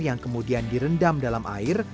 yang kemudian direndam dalam air